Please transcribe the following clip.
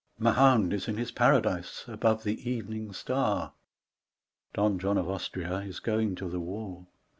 Mahound is in his paradise above the evening star, (Don John of Austria is going to the war.)